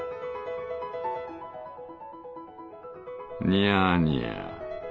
「にゃにゃ！